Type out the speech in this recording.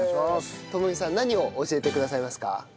智美さん何を教えてくださいますか？